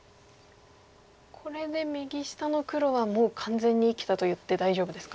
これで右下の黒はもう完全に生きたといって大丈夫ですか？